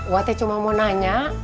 wah teh cuma mau nanya